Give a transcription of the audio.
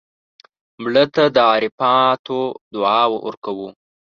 مړه ته د عرفاتو دعا ورکوو